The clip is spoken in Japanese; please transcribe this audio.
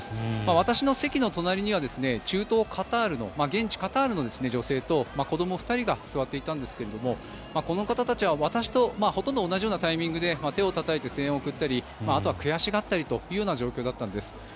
私の席の隣には中東カタールの現地カタールの女性と子ども２人が座っていたんですがこの方たちは私とほどんと同じようなタイミングで手をたたいて声援を送ったりあと悔しがったりという状況だったんです。